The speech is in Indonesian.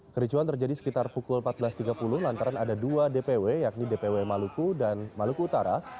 kericuan terjadi sekitar pukul empat belas tiga puluh lantaran ada dua dpw yakni dpw maluku dan maluku utara